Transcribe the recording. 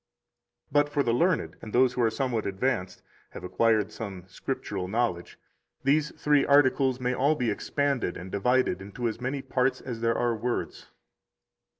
12 But for the learned, and those who are somewhat advanced [have acquired some Scriptural knowledge], these three articles may all be expanded and divided into as many parts as there are words.